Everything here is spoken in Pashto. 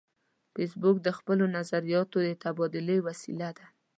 فېسبوک د خپلو نظریاتو د تبادلې وسیله ده